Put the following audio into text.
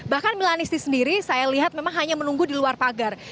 bahkan milanisti sendiri saya lihat memang hanya menunggu di luar pagar